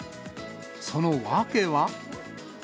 その訳は。